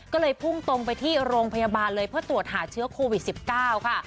ก็เลยพุ่งตรงไปที่โรงพยาบาลเลยเพื่อตรวจหาเชื้อโควิด๑๙ค่ะ